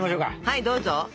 はいどうぞ。